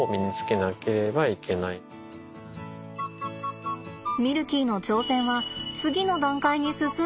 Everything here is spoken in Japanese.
ミルキーの挑戦は次の段階に進んだというわけね。